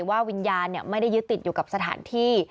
ว่าวิญญาณไม่ได้ยึดติดอยู่กับสถานที่